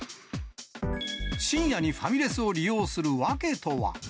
深夜にファミレスを利用する訳とは。